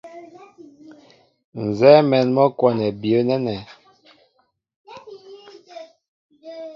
Nzɛ́ɛ́ mɛ̌n mɔ́ kwɔ́nɛ byə̌ nɛ́nɛ́.